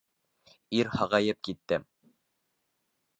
Ир һағайып китте.